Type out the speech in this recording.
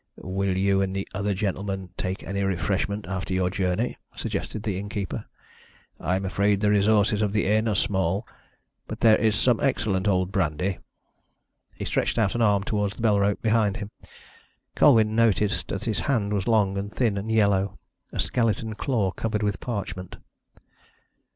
"Will you and the other gentlemen take any refreshment, after your journey?" suggested the innkeeper. "I'm afraid the resources of the inn are small, but there is some excellent old brandy." He stretched out an arm towards the bell rope behind him. Colwyn noticed that his hand was long and thin and yellow a skeleton claw covered with parchment.